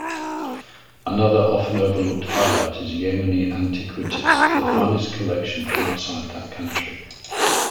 Another often overlooked highlight is Yemeni antiquities, the finest collection outside that country.